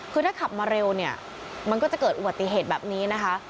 คือถ้าขับมาเร็วเนี่ยมันก็จะเกิดอุบัติเหตุแบบนี้นะคะ